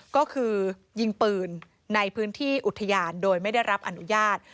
ก็คือยิงปืนในพื้นที่อุทยานโดยไม่ได้รับอนุญาต